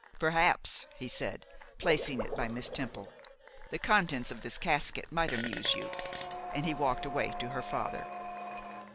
'Perhaps,' he said, placing it by Miss Temple, 'the contents of this casket might amuse you;' and he walked away to her father.